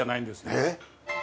えっ！